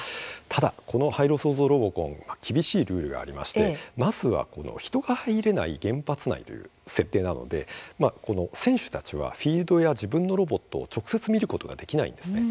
ただこの「廃炉創造ロボコン」厳しいルールがありましてまず人が入れない原発内という設定なので選手たちはフィールドや自分のロボットを直接見ることはできません。